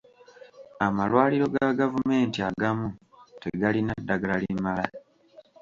Amalwaliro ga gavumenti agamu tegalina ddagala limala.